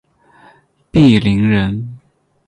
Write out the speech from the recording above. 鄙陵人。